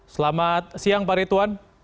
selamat siang pak rituan